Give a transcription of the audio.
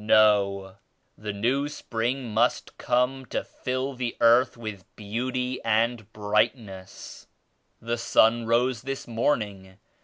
No ! the new spring must come to fill the earth with beauty and brightness. The sun rose this morning.